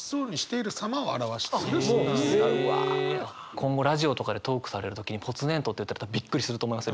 今後ラジオとかでトークされる時に「ぽつねんと」って言ったら多分びっくりすると思いますよ